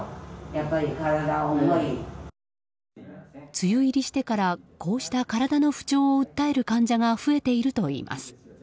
梅雨入りしてからこうした体の不調を訴える患者が増えているといいます。